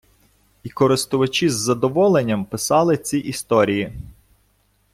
І користувачі з задоволенням писали ці історії.